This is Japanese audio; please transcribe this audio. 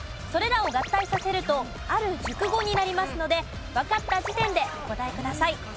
それらを合体させるとある熟語になりますのでわかった時点でお答えください。